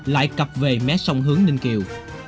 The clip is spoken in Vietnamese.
lại cập về mé sông hướng ninh kiều